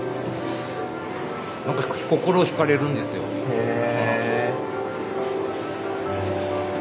へえ！